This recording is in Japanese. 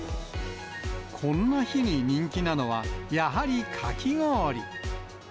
こんな日に人気なのは、やはりかき氷。